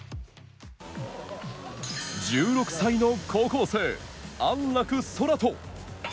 １６歳の高校生、安楽宙斗。